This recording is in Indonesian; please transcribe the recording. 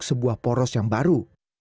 sebuah poros yang baru